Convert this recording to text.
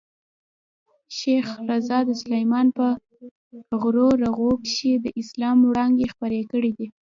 شېخ رضي د سلېمان په غرو رغو کښي د اسلام وړانګي خپرې کړي دي.